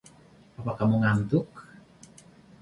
Apa kamu ngantuk?